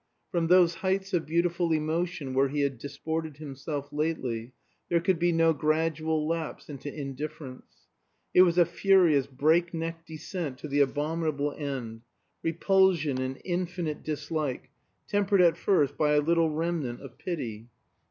From those heights of beautiful emotion where he had disported himself lately there could be no gradual lapse into indifference. It was a furious break neck descent to the abominable end repulsion and infinite dislike, tempered at first by a little remnant of pity.